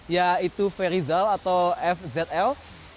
yaitu ferizal atau fzl